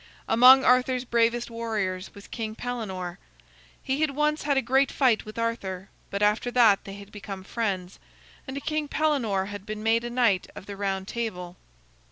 Among Arthur's bravest warriors was King Pellenore. He had once had a great fight with Arthur, but after that they had become friends, and King Pellenore had been made a Knight of the Round Table.